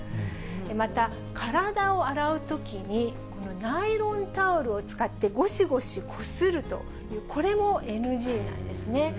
また、体を洗うときに、ナイロンタオルを使って、ごしごしこするという、これもＮＧなんですね。